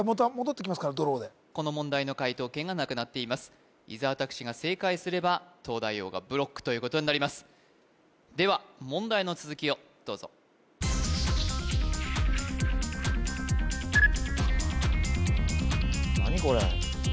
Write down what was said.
この問題の解答権がなくなっています伊沢拓司が正解すれば東大王がブロックということになりますでは問題の続きをどうぞ・何これ？